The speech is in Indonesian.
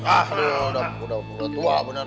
aduh udah tua bener neng